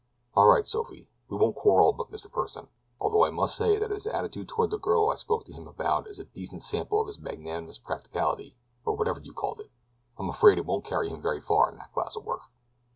"All right, Sophie; we won't quarrel about Mr. Pursen, although I must say that if his attitude toward that girl I spoke to him about is a decent sample of his magnanimous practicality, or whatever you called it, I am afraid it won't carry him very far in that class of work."